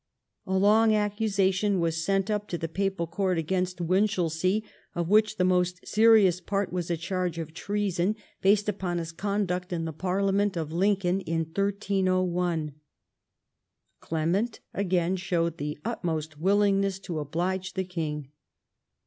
A long accusation was sent up to Avignon against Winchelsea, of which the most serious part was a charge of treason, based upon his conduct in the parliament of Lincoln in 1301. Clement again showed the utmost willingness to oblige the king.